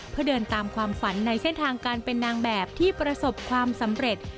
เพื่อเดินตามความฝันในเส้นทางการเป็นนางแบบที่ประสบความสำเร็จ